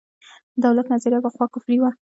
د دولت نظریه پخوا کفري وه.